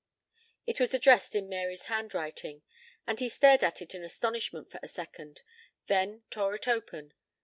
It was addressed in Mary's handwriting, and he stared at it in astonishment for a second, then tore it open.